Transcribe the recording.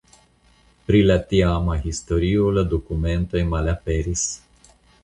Pri la tiama historio la dokumentoj malaperis.